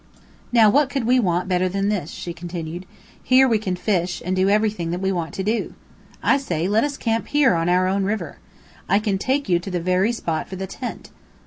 "Now what could we want better than this?" she continued. "Here we can fish, and do everything that we want to. I say, let us camp here on our own river. I can take you to the very spot for the tent.